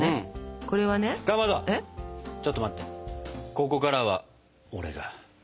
ここからは俺が。